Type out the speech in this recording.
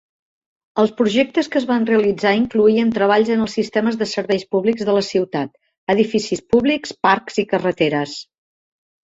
Els projectes que es van realitzar incloïen treballs en els sistemes de serveis públics de la ciutat, edificis públics, parcs i carreteres.